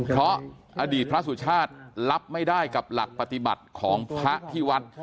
เพราะอดีตพระสุชาติรับไม่ได้กับหลักปฏิบัติของพระที่วัด